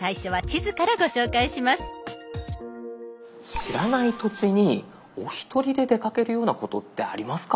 知らない土地にお一人で出かけるようなことってありますか？